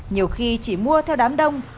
nhiều khi chỉ mua theo đám đông